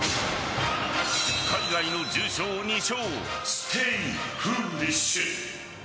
海外の重賞２勝ステイフーリッシュ。